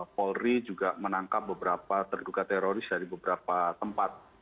polri juga menangkap beberapa terduga teroris dari beberapa tempat